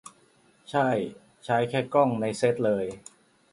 ช่าย ใช้แค่กล้องในเซ็ตเลย